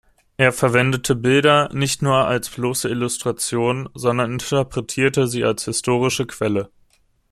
Er verwendete Bilder nicht nur als bloße Illustration, sondern interpretierte sie als historische Quelle.